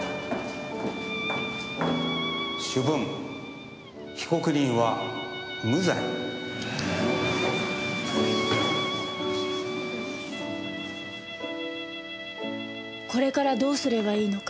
「主文被告人は無罪」これからどうすればいいのか？